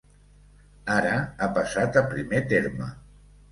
Ara ha passat a primer terme.